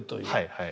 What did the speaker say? はい。